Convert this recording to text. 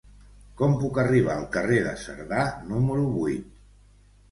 Com puc arribar al carrer de Cerdà número vuit?